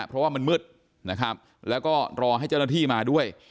เพราะว่ามันมืดนะครับแล้วก็รอให้เจ้าหน้าที่มาด้วย